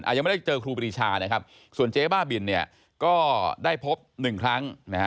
ยังไม่ได้เจอครูปรีชานะครับส่วนเจ๊บ้าบินเนี่ยก็ได้พบหนึ่งครั้งนะฮะ